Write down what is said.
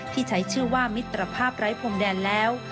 ที่ใช้ชื่อว่ามิตรภาพไร้พรมแดนแล้ว